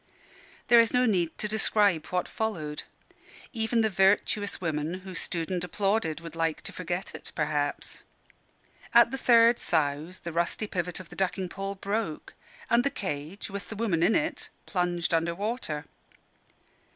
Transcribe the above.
There is no heed to describe what followed. Even the virtuous women who stood and applauded would like to forget it, perhaps. At the third souse, the rusty pivot of the ducking pole broke, and the cage, with the woman in it, plunged under water.